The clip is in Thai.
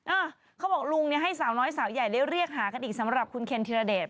เขาบอกลุงเนี่ยให้สาวน้อยสาวใหญ่ได้เรียกหากันอีกสำหรับคุณเคนธิรเดช